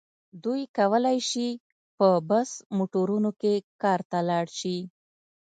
دوی کولای شي په بس موټرونو کې کار ته لاړ شي.